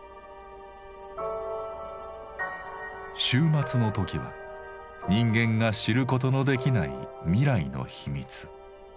終末の時は人間が知ることのできない未来の秘密。